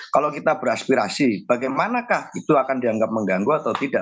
kalau kita beraspirasi bagaimanakah itu akan dianggap mengganggu atau tidak